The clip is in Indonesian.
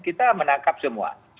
kita menangkap semua